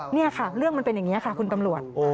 นี่ค่ะเรื่องมันเป็นอย่างนี้ค่ะคุณตำรวจ